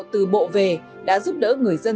từ bộ về đã giúp đỡ người dân